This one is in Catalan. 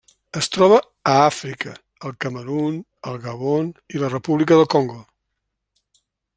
Es troba a Àfrica: el Camerun, el Gabon i la República del Congo.